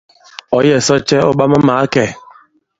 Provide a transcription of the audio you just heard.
Ɔ̌ yɛ̀ sɔ cɛ ɔ̂ ɓa ma-màa kɛ̄?